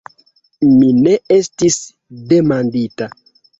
Mi ne estis demandita.